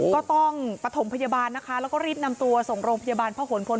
ก็ต้องปฐมพยาบาลนะคะแล้วก็รีบนำตัวส่งโรงพยาบาลพระหลพล